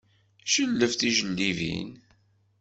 Jelleb tijellibin.